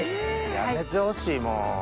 やめてほしいもう。